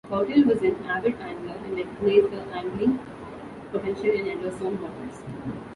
Boutelle was an avid angler and recognized the angling potential in Yellowstone waters.